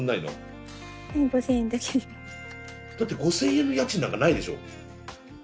だって５，０００円の家賃なんかないでしょ？